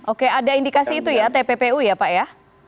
oke ada indikasi itu ya tppu ya pak ya